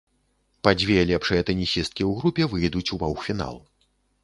Па дзве лепшыя тэнісісткі ў групе выйдуць у паўфінал.